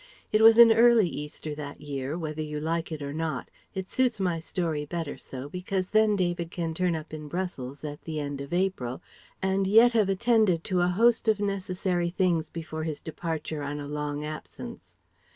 It was an early Easter that year, whether you like it or not; it suits my story better so, because then David can turn up in Brussels at the end of April, and yet have attended to a host of necessary things before his departure on a long absence.